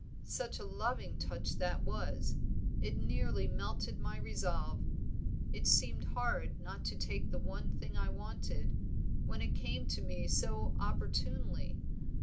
Such a loving touch that was! it nearly melted my resolve, it seemed hard not to take the one thing I wanted, when it came to me so opportunely.